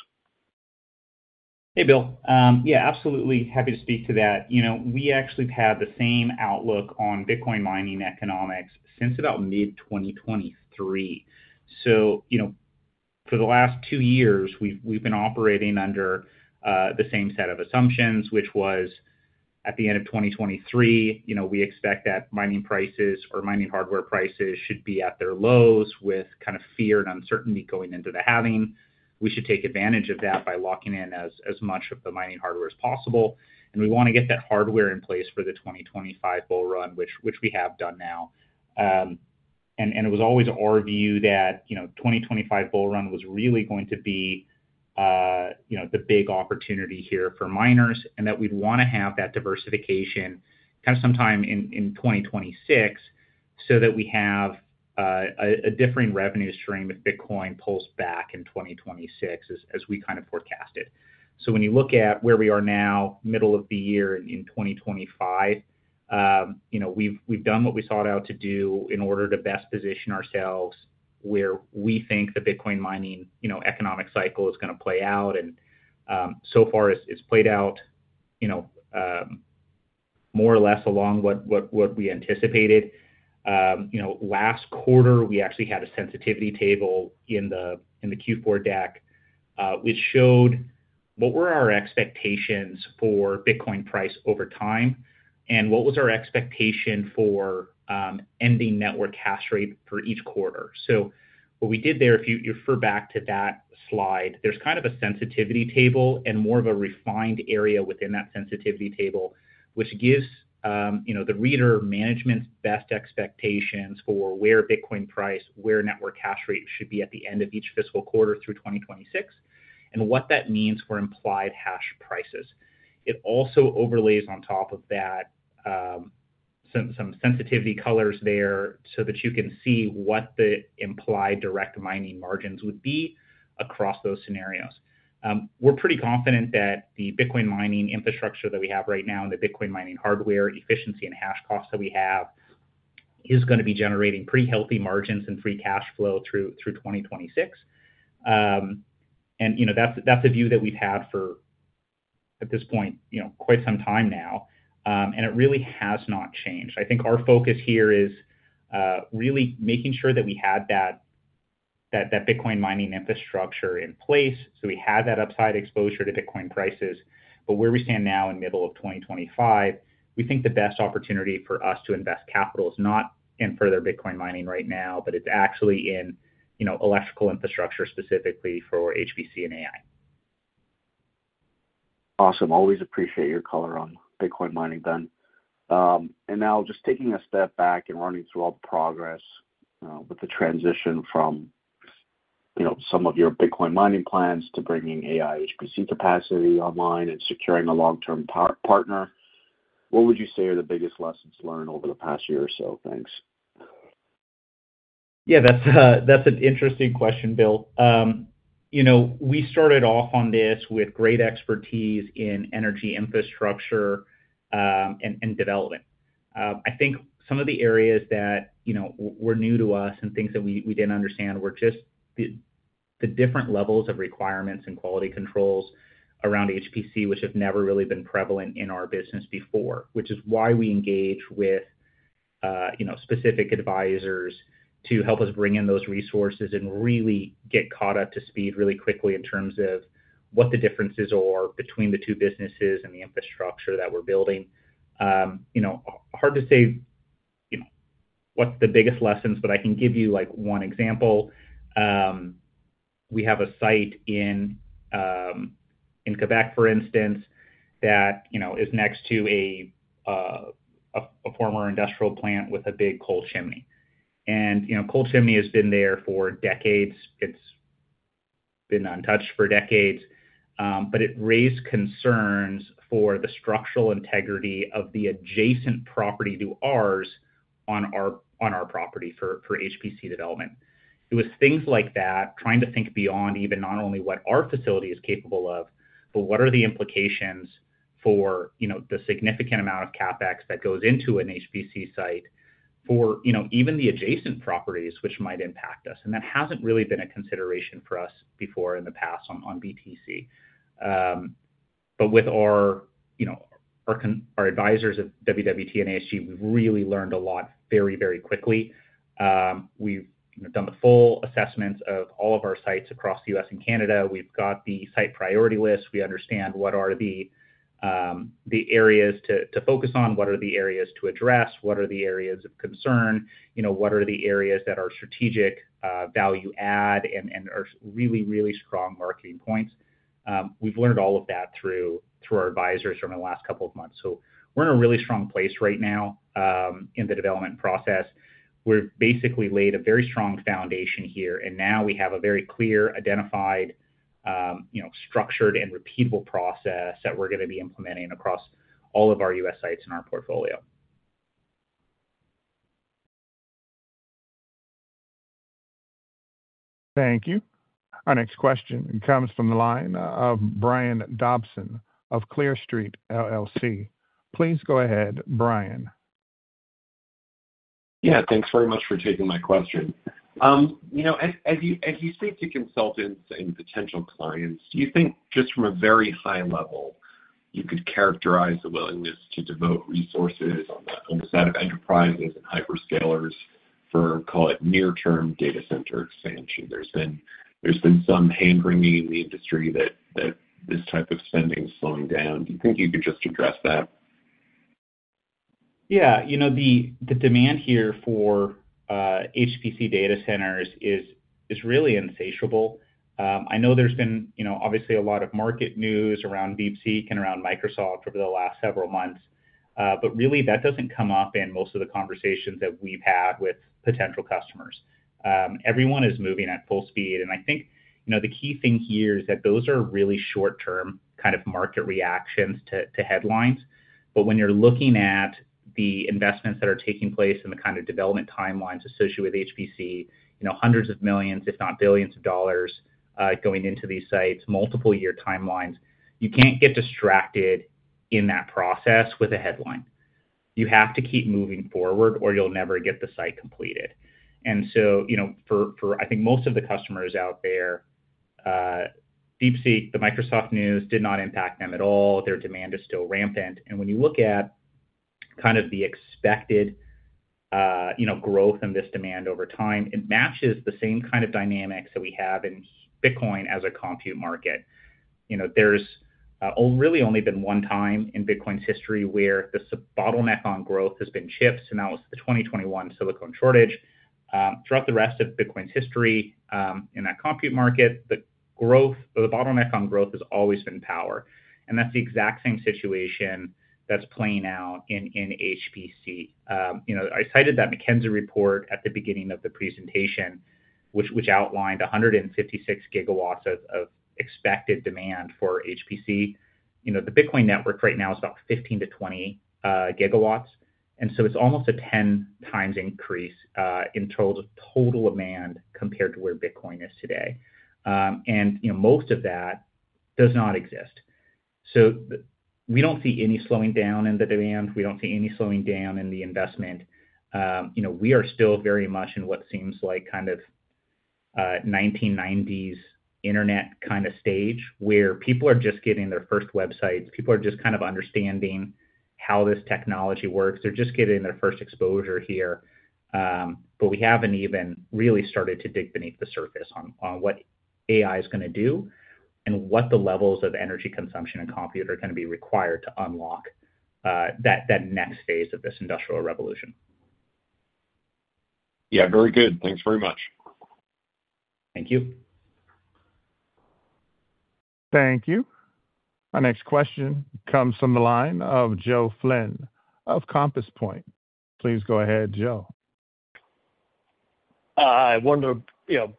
Speaker 3: Hey, Bill. Yeah, absolutely happy to speak to that. We actually have the same outlook on Bitcoin mining economics since about mid-2023. So for the last two years, we've been operating under the same set of assumptions, which was at the end of 2023, we expect that mining prices or mining hardware prices should be at their lows with kind of fear and uncertainty going into the halving. We should take advantage of that by locking in as much of the mining hardware as possible. We want to get that hardware in place for the 2025 bull run, which we have done now. It was always our view that the 2025 bull run was really going to be the big opportunity here for miners and that we'd want to have that diversification kind of sometime in 2026 so that we have a differing revenue stream if Bitcoin pulls back in 2026, as we kind of forecasted. When you look at where we are now, middle of the year in 2025, we've done what we sought out to do in order to best position ourselves where we think the Bitcoin mining economic cycle is going to play out. So far, it's played out more or less along what we anticipated. Last quarter, we actually had a sensitivity table in the Q4 deck, which showed what were our expectations for Bitcoin price over time and what was our expectation for ending network hash rate for each quarter. If you refer back to that slide, there is kind of a sensitivity table and more of a refined area within that sensitivity table, which gives the reader management's best expectations for where Bitcoin price, where network hash rate should be at the end of each fiscal quarter through 2026, and what that means for implied hash prices. It also overlays on top of that some sensitivity colors there so that you can see what the implied direct mining margins would be across those scenarios. We're pretty confident that the Bitcoin mining infrastructure that we have right now and the Bitcoin mining hardware efficiency and hash costs that we have is going to be generating pretty healthy margins and free cash flow through 2026. That's a view that we've had for, at this point, quite some time now. It really has not changed. I think our focus here is really making sure that we had that Bitcoin mining infrastructure in place so we had that upside exposure to Bitcoin prices. Where we stand now in the middle of 2025, we think the best opportunity for us to invest capital is not in further Bitcoin mining right now, but it's actually in electrical infrastructure specifically for HPC and AI.
Speaker 11: Awesome. Always appreciate your color on Bitcoin mining, Ben. Now, just taking a step back and running through all the progress with the transition from some of your Bitcoin mining plans to bringing AI HPC capacity online and securing a long-term partner, what would you say are the biggest lessons learned over the past year or so? Thanks.
Speaker 3: Yeah, that's an interesting question, Bill. We started off on this with great expertise in energy infrastructure and development. I think some of the areas that were new to us and things that we did not understand were just the different levels of requirements and quality controls around HPC, which have never really been prevalent in our business before, which is why we engage with specific advisors to help us bring in those resources and really get caught up to speed really quickly in terms of what the differences are between the two businesses and the infrastructure that we are building. Hard to say what's the biggest lessons, but I can give you one example. We have a site in Quebec, for instance, that is next to a former industrial plant with a big coal chimney. And coal chimney has been there for decades. It's been untouched for decades, but it raised concerns for the structural integrity of the adjacent property to ours on our property for HPC development. It was things like that, trying to think beyond even not only what our facility is capable of, but what are the implications for the significant amount of CapEx that goes into an HPC site for even the adjacent properties, which might impact us. And that hasn't really been a consideration for us before in the past on BTC. But with our advisors at WWT and ASG, we've really learned a lot very, very quickly. We've done the full assessments of all of our sites across the U.S. and Canada. We've got the site priority list. We understand what are the areas to focus on, what are the areas to address, what are the areas of concern, what are the areas that are strategic value-add and are really, really strong marketing points. We've learned all of that through our advisors over the last couple of months. We are in a really strong place right now in the development process. We've basically laid a very strong foundation here, and now we have a very clear, identified, structured, and repeatable process that we're going to be implementing across all of our U.S. sites in our portfolio.
Speaker 1: Thank you. Our next question comes from the line of Brian Dobson of Clear Street LLC. Please go ahead, Brian.
Speaker 12: Yeah, thanks very much for taking my question. As you speak to consultants and potential clients, do you think just from a very high level, you could characterize the willingness to devote resources on the side of enterprises and hyperscalers for, call it, near-term data center expansion? There's been some hand-wringing in the industry that this type of spending is slowing down. Do you think you could just address that?
Speaker 3: Yeah. The demand here for HPC data centers is really insatiable. I know there's been, obviously, a lot of market news around DeepSeek and around Microsoft over the last several months, but really, that doesn't come up in most of the conversations that we've had with potential customers. Everyone is moving at full speed. I think the key thing here is that those are really short-term kind of market reactions to headlines. When you're looking at the investments that are taking place and the kind of development timelines associated with HPC, hundreds of millions, if not billions of dollars, going into these sites, multiple-year timelines, you can't get distracted in that process with a headline. You have to keep moving forward, or you'll never get the site completed. For, I think, most of the customers out there, DeepSeek, the Microsoft news did not impact them at all. Their demand is still rampant. When you look at kind of the expected growth in this demand over time, it matches the same kind of dynamics that we have in Bitcoin as a compute market. There's really only been one time in Bitcoin's history where the bottleneck on growth has been chips, and that was the 2021 silicon shortage. Throughout the rest of Bitcoin's history in that compute market, the bottleneck on growth has always been power. That is the exact same situation that is playing out in HPC. I cited that McKinsey report at the beginning of the presentation, which outlined 156 GW of expected demand for HPC. The Bitcoin network right now is about 15 GW-20 GW. It is almost a 10x increase in total demand compared to where Bitcoin is today. Most of that does not exist. We do not see any slowing down in the demand. We do not see any slowing down in the investment. We are still very much in what seems like kind of 1990s internet kind of stage where people are just getting their first websites. People are just kind of understanding how this technology works. They are just getting their first exposure here. We haven't even really started to dig beneath the surface on what AI is going to do and what the levels of energy consumption and compute are going to be required to unlock that next phase of this industrial revolution.
Speaker 12: Yeah, very good. Thanks very much.
Speaker 3: Thank you.
Speaker 1: Thank you. Our next question comes from the line of Joe Flynn of Compass Point. Please go ahead, Joe.
Speaker 13: I wanted to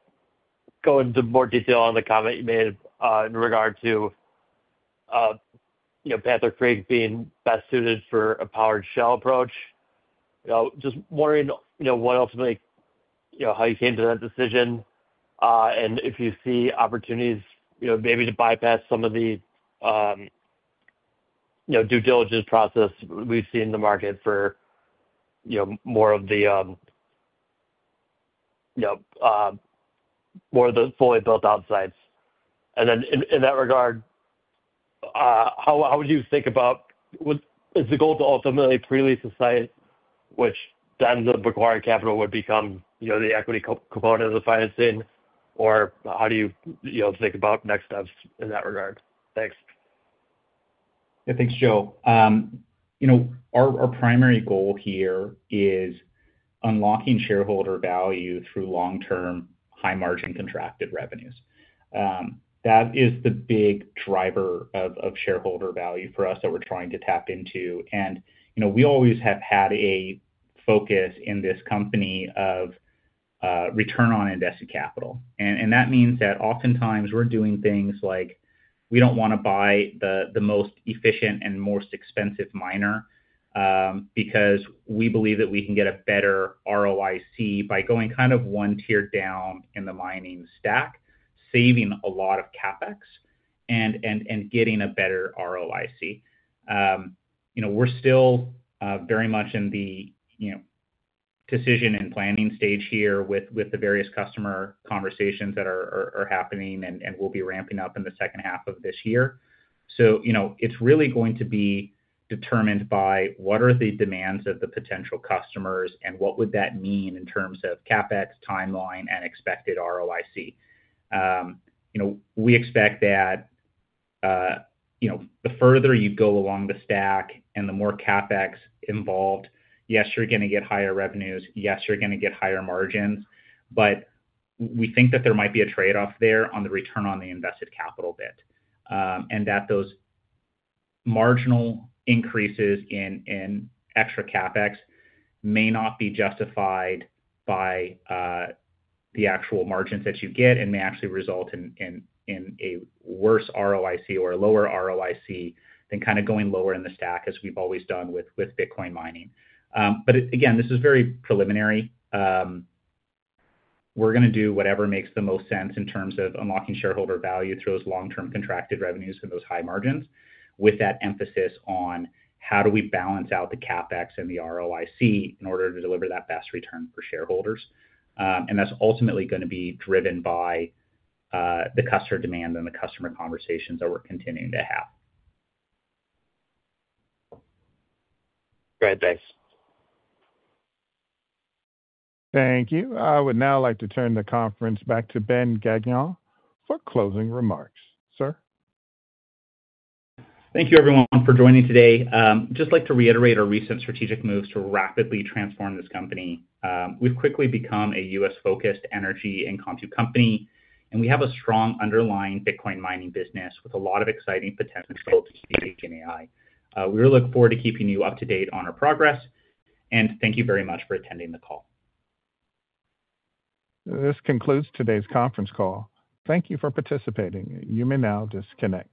Speaker 13: go into more detail on the comment you made in regard to Panther Creek being best suited for a powered shell approach. Just wondering what ultimately how you came to that decision and if you see opportunities maybe to bypass some of the due diligence process we've seen in the market for more of the fully built-out sites. In that regard, how would you think about is the goal to ultimately pre-lease a site, which then the required capital would become the equity component of the financing, or how do you think about next steps in that regard? Thanks.
Speaker 3: Yeah, thanks, Joe. Our primary goal here is unlocking shareholder value through long-term high-margin contracted revenues. That is the big driver of shareholder value for us that we're trying to tap into. We always have had a focus in this company of return on invested capital. That means that oftentimes we're doing things like we do not want to buy the most efficient and most expensive miner because we believe that we can get a better ROIC by going kind of one tier down in the mining stack, saving a lot of CapEx and getting a better ROIC. We're still very much in the decision and planning stage here with the various customer conversations that are happening and will be ramping up in the second half of this year. It is really going to be determined by what are the demands of the potential customers and what would that mean in terms of CapEx, timeline, and expected ROIC. We expect that the further you go along the stack and the more CapEx involved, yes, you're going to get higher revenues. Yes, you're going to get higher margins. We think that there might be a trade-off there on the return on the invested capital bit and that those marginal increases in extra CapEx may not be justified by the actual margins that you get and may actually result in a worse ROIC or a lower ROIC than kind of going lower in the stack, as we've always done with Bitcoin mining. This is very preliminary. We're going to do whatever makes the most sense in terms of unlocking shareholder value through those long-term contracted revenues and those high margins with that emphasis on how do we balance out the CapEx and the ROIC in order to deliver that best return for shareholders. That's ultimately going to be driven by the customer demand and the customer conversations that we're continuing to have.
Speaker 13: Great. Thanks.
Speaker 1: Thank you. I would now like to turn the conference back to Ben Gagnon for closing remarks. Sir.
Speaker 3: Thank you, everyone, for joining today. Just like to reiterate our recent strategic moves to rapidly transform this company. We've quickly become a U.S.-focused energy and compute company, and we have a strong underlying Bitcoin mining business with a lot of exciting potential to speak in AI. We look forward to keeping you up to date on our progress. Thank you very much for attending the call.
Speaker 1: This concludes today's conference call. Thank you for participating. You may now disconnect.